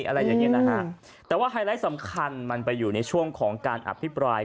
อะไรอย่างเงี้นะฮะแต่ว่าไฮไลท์สำคัญมันไปอยู่ในช่วงของการอภิปราย